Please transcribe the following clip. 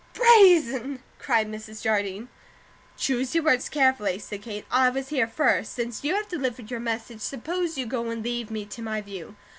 "Brazen!" cried Mrs. Jardine. "Choose your words carefully," said Kate. "I was here first; since you have delivered your message, suppose you go and leave me to my view."